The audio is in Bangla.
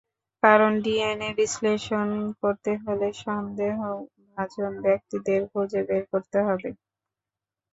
কারণ, ডিএনএ বিশ্লেষণ করতে হলে সন্দেহভাজন ব্যক্তিদের খুঁজে বের করতে হবে।